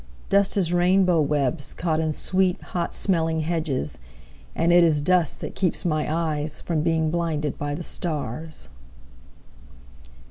Dust is rainbow webs caught in sweet, hot smelling hedges, And it is dust that keeps my eyes from being blinded by the stars!